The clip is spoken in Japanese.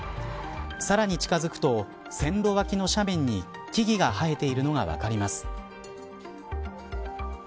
さらに近づくと線路脇の斜面に木々が生えているのが分かります。